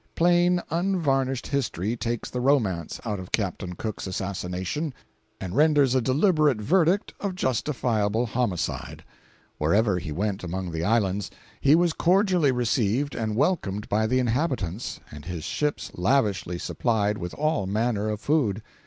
Plain unvarnished history takes the romance out of Captain Cook's assassination, and renders a deliberate verdict of justifiable homicide. Wherever he went among the islands, he was cordially received and welcomed by the inhabitants, and his ships lavishly supplied with all manner of food.